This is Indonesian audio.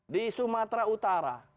di sumatera utara